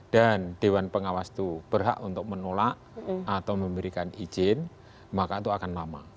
dan dewan pengawas itu berhak untuk menolak atau memberikan izin maka itu akan lama